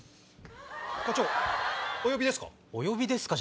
課長お呼びですか？